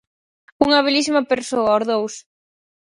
Unha belísima persoa, os dous.